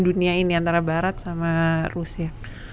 dunia ini antara barat sama rusia